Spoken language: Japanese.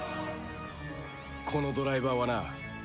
このドライバーはな。